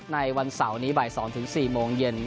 ในวันเสาร์นี้บ่าย๒๔โมงเย็น